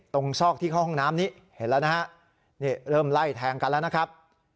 ซอกที่เข้าห้องน้ำนี้เห็นแล้วนะฮะนี่เริ่มไล่แทงกันแล้วนะครับ